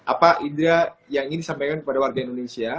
apa indra yang ingin disampaikan kepada warga indonesia